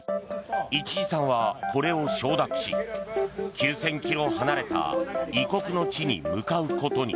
市居さんはこれを承諾し９０００ｋｍ離れた異国の地に向かうことに。